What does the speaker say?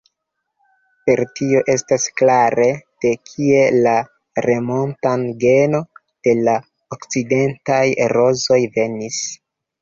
Per tio estas klare, de kie la Remontant-geno de la okcidentaj rozoj venis.